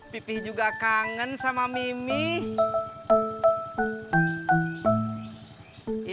pipih juga kangen sama mimi